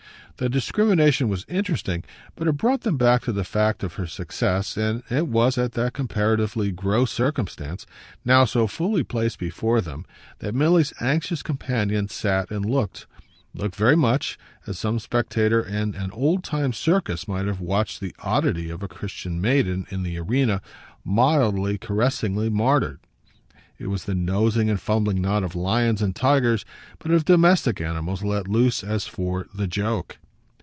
The discrimination was interesting, but it brought them back to the fact of her success; and it was at that comparatively gross circumstance, now so fully placed before them, that Milly's anxious companion sat and looked looked very much as some spectator in an old time circus might have watched the oddity of a Christian maiden, in the arena, mildly, caressingly, martyred. It was the nosing and fumbling not of lions and tigers but of domestic animals let loose as for the joke.